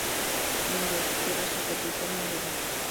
Nivel I: Tierra superficial moderna.